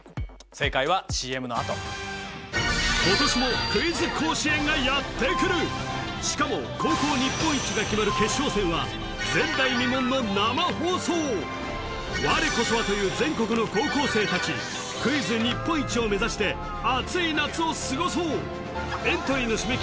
正解はＣＭのあと今年もクイズ甲子園がやってくるしかも高校日本一が決まる我こそはという全国の高校生たちクイズ日本一を目指して暑い夏を過ごそう